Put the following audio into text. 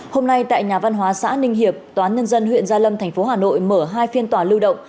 hôm nay tại nhà văn hóa xã ninh hiệp toán nhân dân huyện gia lâm tp hcm mở hai phiên tòa lưu động